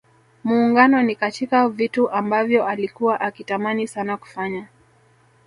Muungano ni katika vitu ambavyo alikua akitamani sana kufanya